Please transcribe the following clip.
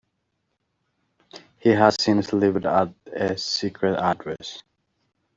He has since lived at a secret address.